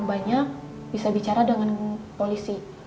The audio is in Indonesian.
bisa bicara dengan polisi